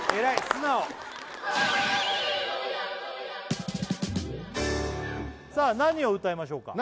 素直さあ何を歌いましょうか？